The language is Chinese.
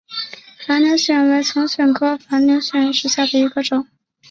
反扭藓为丛藓科反扭藓属下的一个种。